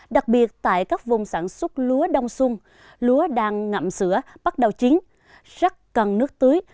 đặc biệt tại các vùng sản xuất lúa đông xuân lúa đang ngậm sữa bắt đầu chín rất cần nước tưới